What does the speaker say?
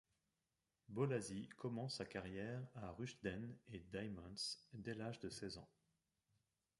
Bolasie commence sa carrière à Rushden & Diamonds dès l'âge de seize ans.